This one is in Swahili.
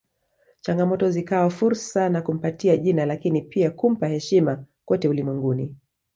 Changamoto zikawa fursa na kumpatia jina lakini pia kumpa heshima kote ulimwenguni